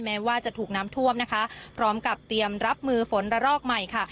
แม้ว่าจะถูกน้ำท่วมนะคะพร้อมกับเตรียมรับมือฝนระลอกใหม่ค่ะ